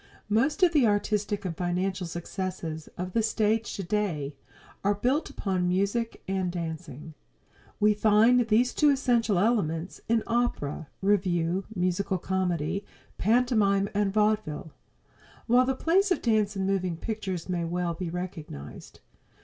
Most of the artistic and financial successes of the stage today are built upon music and dancing. We find these two essential elements in opera, revue, musical comedy, pantomime and vaudeville, while the place of the dance in moving pictures may well be recognized.